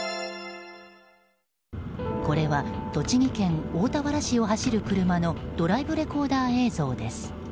これは栃木県大田原市を走る車のドライブレコーダー映像です。